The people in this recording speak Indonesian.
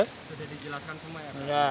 sudah dijelaskan semua ya